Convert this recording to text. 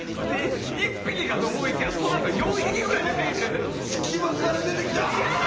１匹かと思いきやそのあと４匹ぐらい出てきて隙間から出てきてうわー！